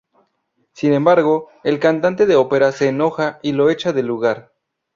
Sin embargo, el cantante de ópera se enoja y lo echa del lugar.